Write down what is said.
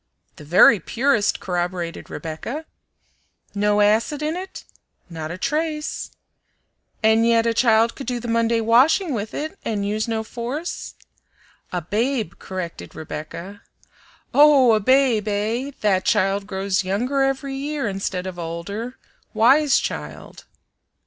"The very purest," corroborated Rebecca. "No acid in it?" "Not a trace." "And yet a child could do the Monday washing with it and use no force." "A babe," corrected Rebecca "Oh! a babe, eh? That child grows younger every year, instead of older wise child!"